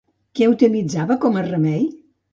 Què utilitzava com a remei?